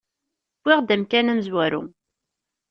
Wwiɣ-d amkan amezwaru.